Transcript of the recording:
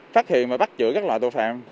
phát hiện và bắt giữ các loại tội phạm